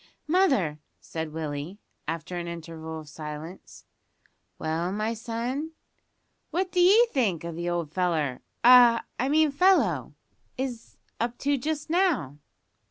"Mother," said Willie, after an interval of silence. "Well, my son?" "What d'ye think the old feller ah! I mean fellow is up to just now?"